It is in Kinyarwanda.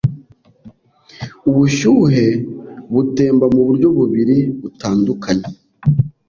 Ubushyuhe butemba muburyo bubiri butandukanye